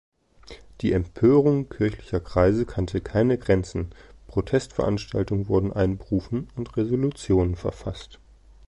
Die Empörung kirchlicher Kreise kannte keine Grenzen, Protestveranstaltungen wurden einberufen und Resolutionen verfasst.